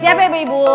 siap ya bu ibu